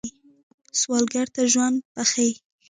سوالګر ته ژوند بخښئ